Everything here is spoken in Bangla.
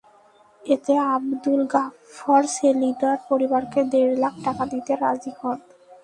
এতে আবদুল গফফার সেলিনার পরিবারকে দেড় লাখ টাকা দিতে রাজি হন।